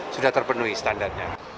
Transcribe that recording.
sudah terpenuhi standarnya